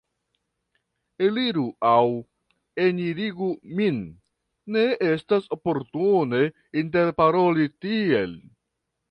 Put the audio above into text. Eliru aŭ enirigu min, ne estas oportune interparoli tiel!